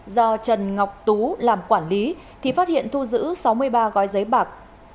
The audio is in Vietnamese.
do trần ngọc tú làm quản lý thì phát hiện thu giữ sáu mươi ba gói giấy bạc